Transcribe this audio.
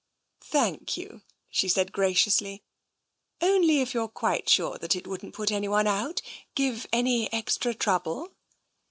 " Thank you," she said graciously. " Only if you're quite sure that it wouldn't put anyone out, give any extra trouble."